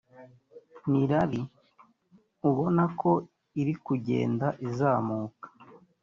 ni Rally ubona ko iri kugenda izamuka